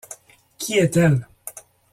Qui est-elle ?